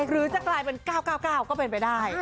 หรือจะกลายเป็น๙๙๙ก็เป็นไปได้